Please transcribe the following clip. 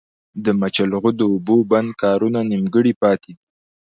د مچلغو د اوبو بند کارونه نيمګړي پاتې دي